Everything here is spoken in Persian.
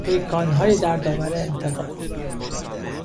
پیکانهای دردآور انتقاد